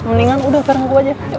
mendingan udah bareng gue aja